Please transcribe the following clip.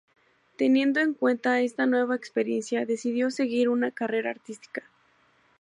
Teniendo en cuenta esta nueva experiencia, decidió seguir una carrera artística.